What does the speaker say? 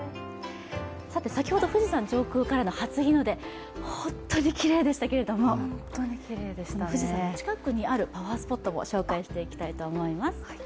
先ほど富士山上空からの初日の出、本当にきれいでしたけど富士山の近くにあるパワースポットも紹介していきたいと思います。